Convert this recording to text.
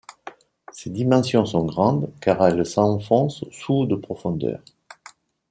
Ses dimensions sont grandes car elle s'enfonce sous de profondeur.